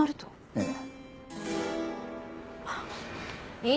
ええ。